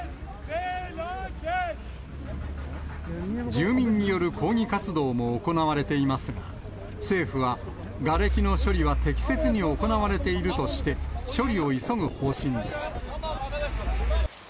住民による抗議活動も行われていますが、政府は、がれきの処理は適切に行われているとして、処理を急ぐ方針です。